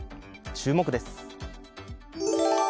注目です。